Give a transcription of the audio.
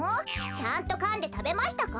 ちゃんとかんでたべましたか？